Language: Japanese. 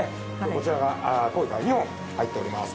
こちらがコウイカが２本入っております。